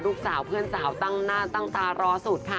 ลูกสาวเพื่อนสาวตั้งหน้าตั้งตารอสุดค่ะ